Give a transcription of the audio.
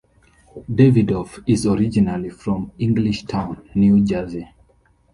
Davidoff is originally from Englishtown, New Jersey.